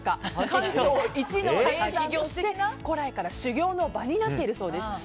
関東一の霊山として古来から修行の場になっているそうです。